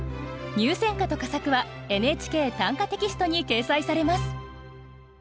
入選歌と佳作は「ＮＨＫ短歌」テキストに掲載されます。